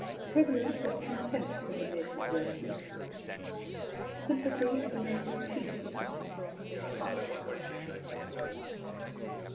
PREVALENCE OF CONTEMPT FOR THE NATIVE RACES. SYMPATHY OF A NATIVE CHIEF WITH THE SUFFERINGS OF CHRIST.